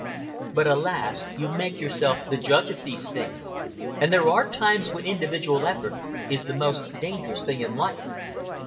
But alas! you make yourself the judge of these things, and there are times when individual effort is the most dangerous thing in life."